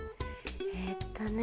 えっとね。